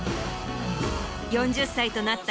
４０歳となった